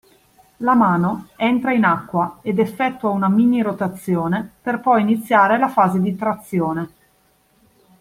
La mano entra in acqua ed effettua una mini rotazione per poi iniziare la fase di trazione.